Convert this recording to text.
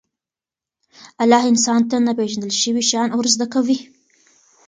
الله انسان ته ناپېژندل شوي شیان ورزده کوي.